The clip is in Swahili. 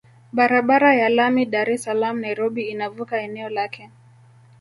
Barabara ya lami Dar es Salaam Nairobi inavuka eneo lake